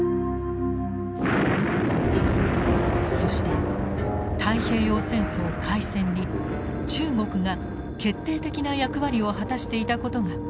そして太平洋戦争開戦に中国が決定的な役割を果たしていたことが明らかになったのです。